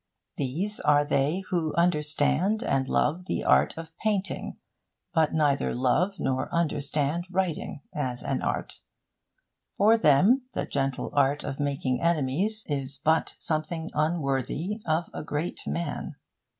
These are they who understand and love the art of painting, but neither love nor understand writing as an art. For them The Gentle Art of Making Enemies is but something unworthy of a great man.